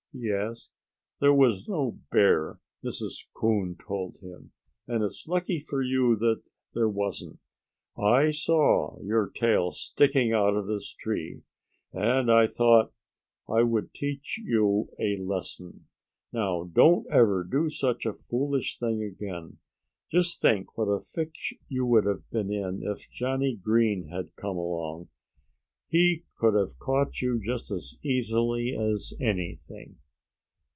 he asked. "There was no bear," Mrs. Coon told him. "And it's lucky for you that there wasn't. I saw your tail sticking out of this tree and I thought I would teach you a lesson. Now, don't ever do such a foolish thing again. Just think what a fix you would have been in if Johnnie Green had come along. He could have caught you just as easily as anything."